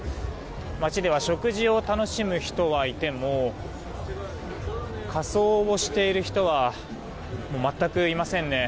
街では食事を楽しむ人はいても仮装をしている人は全くいませんね。